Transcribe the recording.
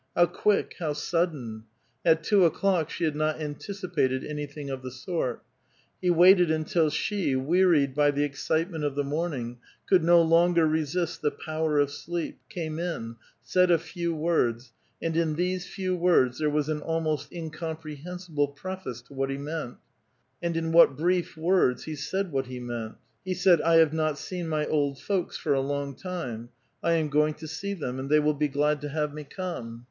How quick ! how sudden ! At two o'clock she had not anti cipated anything of the sort. He waited imtil she, wearied by the excitement of the morning, could not longer resist the power of sleep, came in, said a few words, and in these few words there was an almost incomprehensible preface to what he meant ; and in what brief words he said what he meant ! He said :" I have not seen my old folks for a long time. I am going to see them, and they will be glad to have me come."